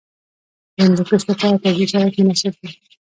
د هندوکش لپاره طبیعي شرایط مناسب دي.